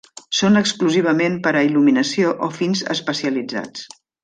Són exclusivament per a il·luminació o fins especialitzats.